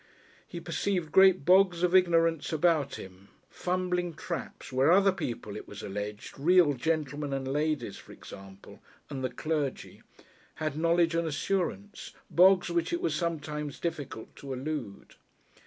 He perceived great bogs of ignorance about him, fumbling traps, where other people, it was alleged, real gentlemen and ladies, for example, and the clergy, had knowledge and assurance, bogs which it was sometimes difficult to elude.